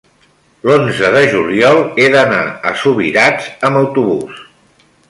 l'onze de juliol he d'anar a Subirats amb autobús.